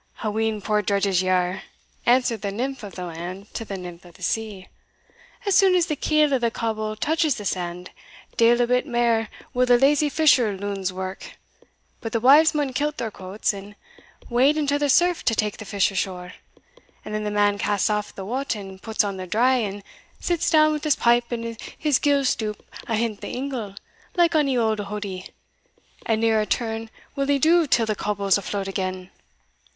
"A wheen poor drudges ye are," answered the nymph of the land to the nymph of the sea. "As sune as the keel o' the coble touches the sand, deil a bit mair will the lazy fisher loons work, but the wives maun kilt their coats, and wade into the surf to tak the fish ashore. And then the man casts aff the wat and puts on the dry, and sits down wi' his pipe and his gill stoup ahint the ingle, like ony auld houdie, and neer a turn will he do till the coble's afloat again!